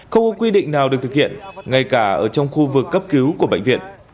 không có quy định nào được thực hiện ngay cả ở trong khu vực cấp cứu của bệnh viện